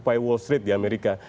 atau occupy wall street di amerika